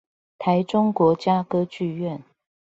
臺中國家歌劇院